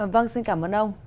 vâng xin cảm ơn ông